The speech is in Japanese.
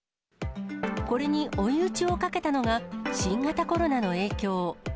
これに追い打ちをかけたのが、新型コロナの影響。